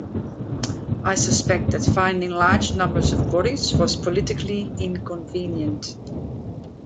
I suspect that finding large numbers of bodies was politically inconvenient.